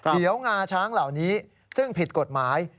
เดี๋ยวงาช้างเหล่านี้ซึ่งผิดกฎหมาย